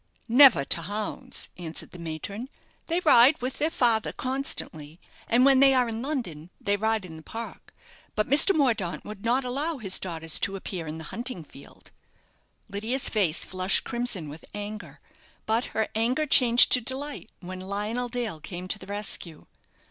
"Never to hounds," answered the matron. "They ride with, their father constantly, and when they are in London they ride in the park; but Mr. Mordaunt would not allow his daughters to appear in the hunting field." Lydia's face flushed crimson with anger; but her anger changed to delight when Lionel Dale came to the rescue.